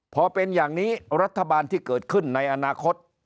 พอเป็นอย่างนี้รัฐบาลที่เกิดขึ้นในอนาคต